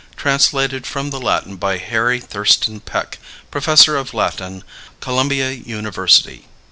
Translated from the Latin by HARRY THURSTON PECK, Professor of Latin, Columbia University.